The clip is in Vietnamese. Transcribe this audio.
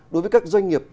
đối với các doanh nghiệp